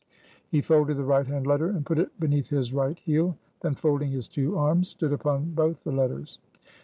He folded the right hand letter, and put it beneath his right heel; then folding his two arms, stood upon both the letters.